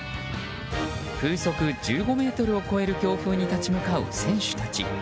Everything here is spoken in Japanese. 風速１５メートルを超える強風に立ち向かう選手たち。